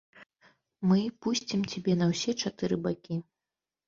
Мы пусцім цябе на ўсе чатыры бакі.